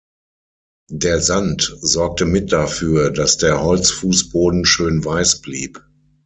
Der Sand sorgte mit dafür, dass der Holzfußboden schön weiß blieb.